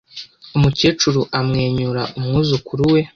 Umukecuru amwenyura umwuzukuru we.